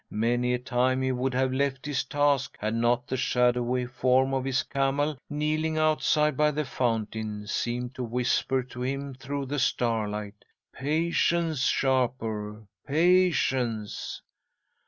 Many a time he would have left his task had not the shadowy form of his camel, kneeling outside by the fountain, seemed to whisper to him through the starlight: "Patience, Shapur, patience!"